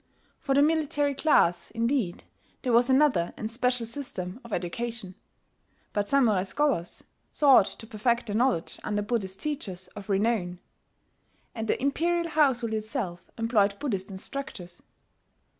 For the military class indeed there was another and special system of education; but Samurai scholars sought to perfect their knowledge under Buddhist teachers of renown; and the imperial household itself employed Buddhist instructors.